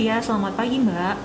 ya selamat pagi mbak